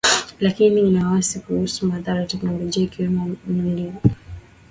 lakini ina wasiwasi kuhusu madhara ya kiteknolojia ikiwemo kumlinda mteja dhidi ya uhalifu wa kifedha